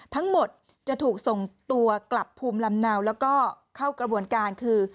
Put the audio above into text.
ทั้งหมดจะถูกส่งตัวกลับภูมิลำเนาแล้วก็เข้ากระบวนการคือ